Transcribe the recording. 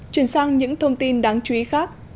chuyển sang những thông tin đáng chú ý khác